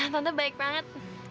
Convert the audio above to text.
tante baik banget